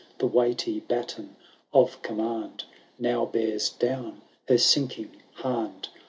The weighty baton of command Now bears dowii her sinking hand.